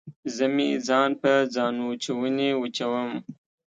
زه مې ځان په ځانوچوني وچوم